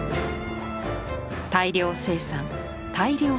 大量生産大量消費。